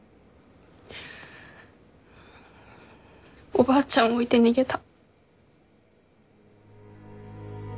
おばあちゃんを置いて逃げた。